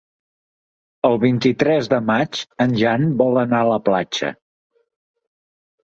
El vint-i-tres de maig en Jan vol anar a la platja.